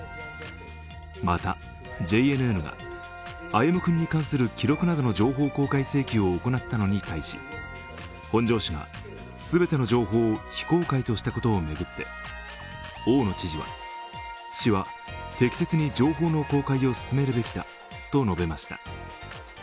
また、ＪＮＮが歩夢君に関する記録などの情報公開請求を行ったのに対し本庄市が全ての情報を非公開としたことを巡って大野知事は、市は適切に情報の公開を進めるべきだと述べました。